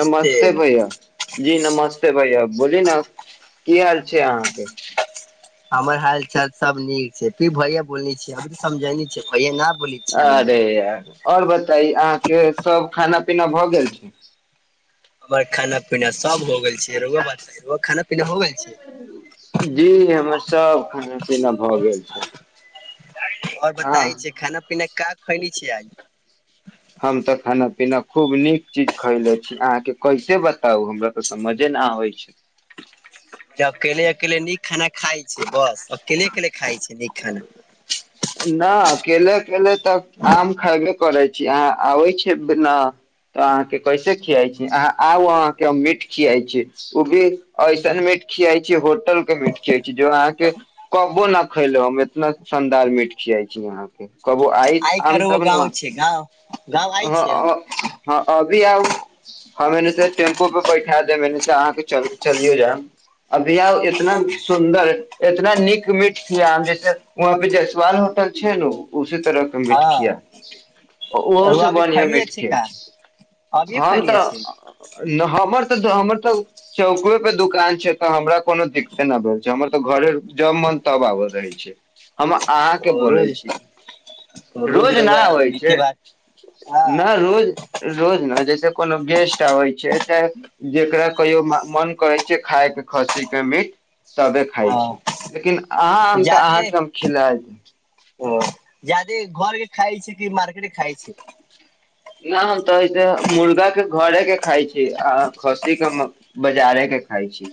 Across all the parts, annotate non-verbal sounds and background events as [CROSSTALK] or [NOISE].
नमस्ते भैय जी नमस्ते भैया। बोली ने की हाल छै अहाँके। [UNINTELLIGIBLE] हमर हाल चाल सब नीक छै फर भैया बोल छै अभी समझेल छै भैया न। बोलै छै आ हमरा अदे आ। [UNINTELLIGIBLE] आऔर बताई अहाँ के सब खाना पीना भए गेल छै। हमर खाना पीना सब हो गेल छै रोगो ब खाना। पीना हो गेल छै जी हमर सब खाना पीना भऽ गेल। अच्छा। [UNINTELLIGIBLE] आओ बताय छै खाना पीना का। खैल छीिय आज। [UNINTELLIGIBLE] हम तऽ खाना पीना खूब नीक चीज खयले छी अहाँके कैसे बताउ हमरा तऽ समझे न आबै छै। अकेल अकेले नीक खाना खाइ। छै बस अकेले अकेले खाइ छै नीक [UNINTELLIGIBLE] खाना नहि अकेले अकेल तऽ आम खायबे। करे छी अहाँ आबै छी ने त अहाँ के कैसे खियाइ छी अहाँ आउ अहाँ के मीट खियाई छी ओ भी ऐसन मीट खिया छी होटल के मीट खिया छी जो अहाँ। के कबो न खैले हम एतना शानदार मीट खियाइ छी यहाँके। कबो आइ क आम रउआ तब ने गाँव व। छै गाँव गाँव आइ छै हम [UNINTELLIGIBLE] रियउ। हँंने ेम्पो पर। बैठा दे मने से अहाँके चलियो जा अभी आ इतना सुन्दर। इतना नीक मिीठ खिया जैसे वहाँ पे जसवाल होटल छै ने उसी तरह के मिीठ हँ खिया। ओहो रउआ से अभी बढ़िआं खैनी मिट अछि का अभिये हम खैनी तऽ- छै हमर। हमर तऽ चौके परे दुकान छै तऽ हमरा कोनो दिक्कते न भेल छै हमर। तऽ घरे जब मन तब आबल रहै छै हम। अहाँ के ओ बोलै रोज छी रोज रउआ नहि आबै मीठे छै भात हँ नहि रोज। रोज ने जैसे कोनो गेस्ट आबै छै चाहे जेकरा कहियो मन करै छै खााय के खसी के मीट सब। खाइ हँ छी लेकिन अहाँ हम तऽ जादे अहाँके हम खिला देब। ओ जादे घरके खाइ छै कि मार्केट खाइ छै। नहि हम तऽसे मुर्गा के घरे के खााय छी आ खसी के बजारे के खााय छी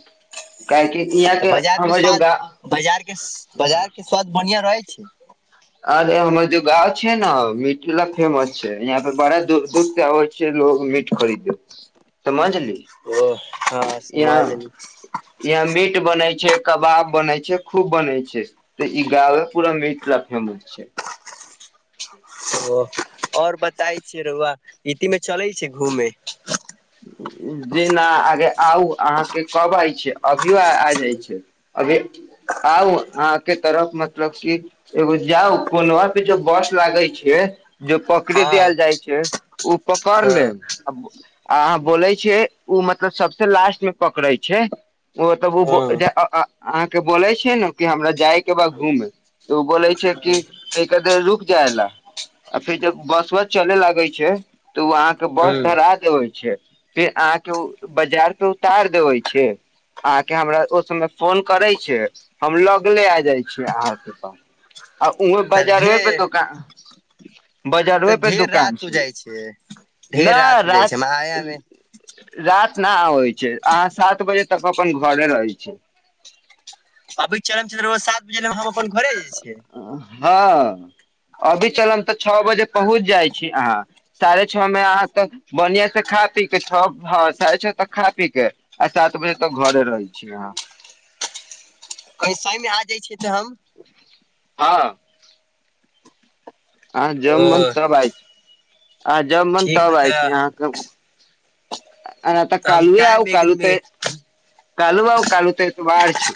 काहेकि। यहाँ तऽ के बाजार मे हमर जो स्वाद गाँव बाजार के बाजार के- स्वाद बढ़िया रहै छै। ी। [UNINTELLIGIBLE] अरे हमर जो गाँव छै ने मीट फेमस छै यहााँ परे बड़ा दुःख से आबै छै लोग मीट खरीदो समझली। ओ हँ समाज। यहाँ यहाँ मीट बनै छै कबाब बने छै खूब बने छै ते ई गावे पूरा मिट फेमस छै। [UNINTELLIGIBLE] जे ना अगे आउ अहाँके कब आइ छे अभियो आ जाइ छै अभे आउ अहाँके तरफ मतलब क एगो जाउ कोनो पे जो बस लागे छै जो पकड़े हँ देल जाइ छै। ऊ पकड़ हँ ले आ आ अहाँ बोले छै उ मतलब सबस लास्ट में पकड़े छै ओतब ओ हँ अहाँ के बोले छै ने कि हमरा जाय के बा घूमे त ओ बोले छै क क क देर रुक जाय ला आ फेर जब बस वस चले लागे छै त उ अहाँ के ह बस धरा देबे। उ [UNINTELLIGIBLE] अहा के बाजार उतार देवे छे फोन करे छे हम लगले आ जाए छीए हां के पास। उह तऽ बजारमे प ढेर दोकान। [UNINTELLIGIBLE] ह बजरवे तऽ पे ढेर दुकान रात हो छै। जाइ न ढेर रात हो रा जाइ छै आया मे रात न आबै छै अहाँ सात बजे तक अपन घरे रहै छै। अभी चार ज़ीरो सात में। [UNINTELLIGIBLE] हँ। अभी चलब तऽ छौ बजे पहुँच जाइ छी अहाँ साढ़े छओ मे अहाँ तऽ बढ़िआं से खा पी के छ हँ साढ़े छओ तक खा पीक के आ सात बजे तक घरे रहै छी अहाँ। कैसा ई मे आ जाइ छै। हँ। आह जबमन ओ तब आइ आ जब मन ठीक बा तब आय छी तऽ अहाँक आ तऽ हम कालूए आ टाइम एक कालू दिन मे तऽ। कालू आाव कालू तऽ इतवार छै।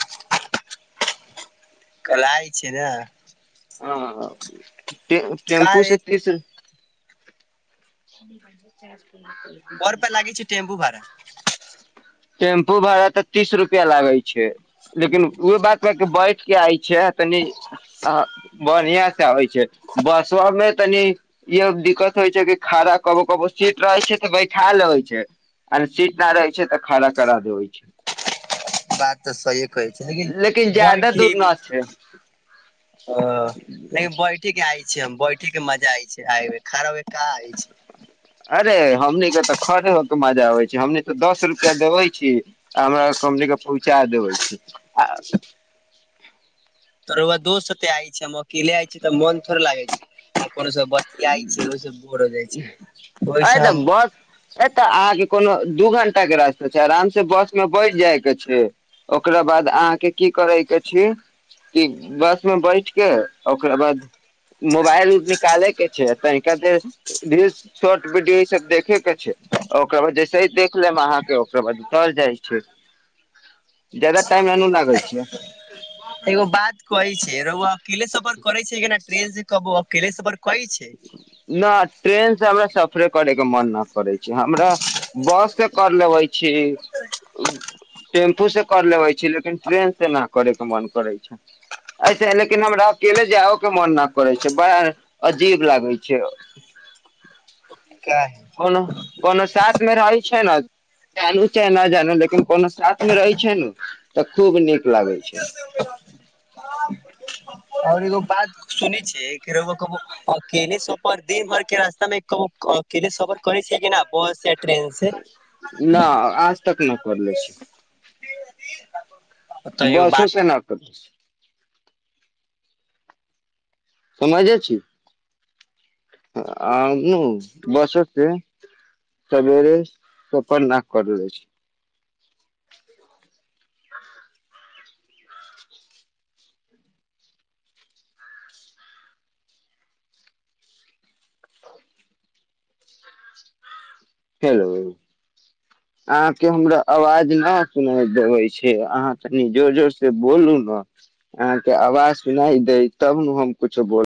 कलआइ छी न। हँ टे टेम्पू से फीस [UNINTELLIGIBLE] [UNINTELLIGIBLE] टेम्पू। [UNINTELLIGIBLE] टेम्पू भाड़ा तऽ तीस रुपआ लागै छै लेकिन ओ बात [UNINTELLIGIBLE] के बैठ के आय छै तनी बढ़िया से आबै छै बसबा मे तनी ई दिक्कत होइ छै कि। खड़ा कबो कबो सीट रहै छै तऽ बैठा ल होै छै आर सीट नहि रहै छै तऽ खड़ा करा देबै छै। बात तऽ सहीए कहै छिये लेकिन बैठ ज्यादा दूर खीम न छै ह लेकिन बैठ ही के आइ बैठी के मजा आय छै आ खड़ा का आइ छै। अरे हमनीके तऽ खरे होके मजा आबै छै हमनी तऽ दस रुपैआ देबै छी आ हमरा हमने पहुँचा देबै छी आ। त रहुआ दोस्त साथे आय छै हम अकेले आय छी तऽ मोन थोड़े लागै छै। कोनो सब बतियाइ छै ओहि से बोर हो जाइ छै अ ओहिसँ तऽ हम बस अ तऽ अहाँके कोनो। दू घंटा के रास्ता छै आराम से बस में बैठ जाय के छै ओकरा बाद अहाँ के की करे के छी कि बस में बैठ के ओकरा बाद मोबाइल उ निकाले के। तनिका देर रील शॉर्ट वीडियो ई सब देखे के छै ओकरा बाद जैसे देख लेब अहाँके ओकरा बाद उतर जाइ छै जदा टाइम ए लागे छै। एगो बात कहै छै रहुआ अकेले सफर करे छै केना ट्रेन से कहब अकेले सफर। कहै छै ना ट्रेन से हम सफरे करैके मन ना करै छी, हमरा बस से कर लेबै छी। टेम्पू से कर लेबै छी, लेकिन ट्रेन से न करै के मन करै छै, ऐसे ही लेकिन हमरा अकेले जाओ के मन ना करै छै, बा अजीब लागै छै। काहे कोनो कोनो साथ मे रहै। छै ना, जानू चाहे ना जानू लेकिन कोनो साथ मे रहै छै ने तऽ खूब नीक लागे छै। [UNINTELLIGIBLE] और एगो बात सुनै छी कि रौउआ कभो अकेले सफर दिन भर के रास्ता मे कभो अकेले सफर करै छीये कि ना बस या ट्रेन से ना आज तक ना करलै छी। तऽ एगो बसो बात सेे ना करै छै। समझे छी। आ हमु बसे से सगेरे सफर ना करलै छी। हेलो अहाँ के हमरा अवाज न सुनाय देबै छै, अहाँ कनि जोर-जोर से बोलू न, अहाँ के अवाज सुनाय दे तब नु हम कुछ बोल -